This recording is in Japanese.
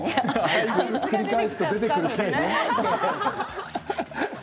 繰り返すと出てくる、ｋね。